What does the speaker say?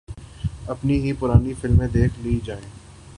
اپنی ہی پرانی فلمیں دیکھ لی جائیں۔